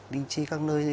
linh chi các nơi